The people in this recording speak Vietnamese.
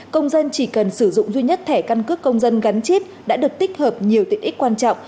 công dân chỉ cần sử dụng duy nhất thẻ căn cước công dân gắn chip đã được tích hợp nhiều tiện ích quan trọng